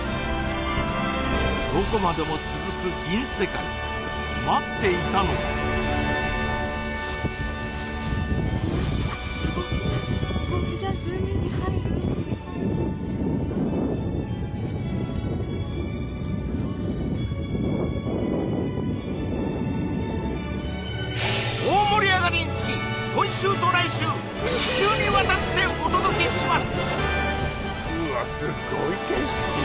どこまでも続く銀世界待っていたのは海に入る海に入る大盛り上がりにつき今週と来週２週にわたってお届けします！